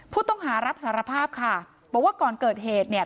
ผู้ต้องหารับสารภาพค่ะบอกว่าก่อนเกิดเหตุเนี่ย